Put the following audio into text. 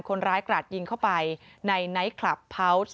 คนร้ายกระดาษยิงเข้าไปในไนท์คลับพาวท์